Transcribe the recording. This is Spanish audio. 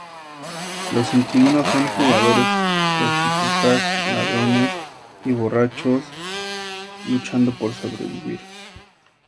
Los inquilinos son jugadores, prostitutas, ladrones y borrachos, todos luchando por sobrevivir.